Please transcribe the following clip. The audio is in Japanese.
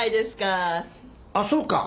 あっそうか。